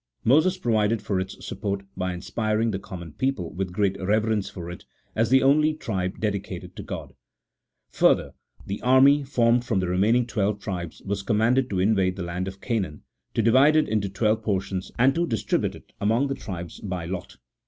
Moses provided for its support by inspiring the common people with great reverence for it, as the only tribe dedicated to God. Further, the army, formed from the remaining twelve tribes, was commanded to invade the land of Canaan, to divide it into twelve portions, and to distribute it among the tribes by lot.